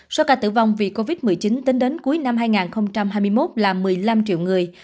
số ca tử vong vì covid một mươi chín tính đến cuối năm hai nghìn hai mươi một là một mươi năm triệu người